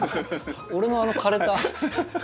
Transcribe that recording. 俺のあの枯れた。